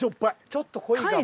ちょっと濃いかも。